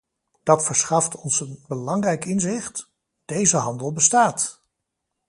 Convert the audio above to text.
Dat verschaft ons een belangrijk inzicht: deze handel bestaat!